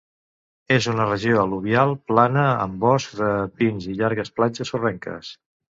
És una regió al·luvial, plana, amb boscs de pins i llargues platges sorrenques.